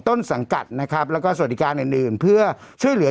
ต้นสังกัดนะครับแล้วก็สวัสดิการอื่นอื่นเพื่อช่วยเหลือ